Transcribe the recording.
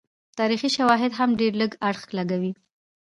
تاریخي شواهد هم ډېر لږ اړخ لګوي.